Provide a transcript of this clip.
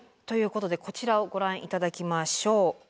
ということでこちらをご覧頂きましょう。